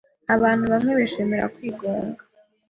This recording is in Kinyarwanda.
Abantu bamwe bishimira kwigunga.